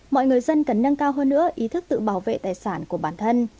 mọi người dân cần nâng cao hơn nữa ý thức tự bảo vệ tài sản của bản thân